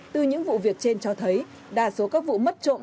từ những vụ việc trên cho thấy đa số các vụ mất trộm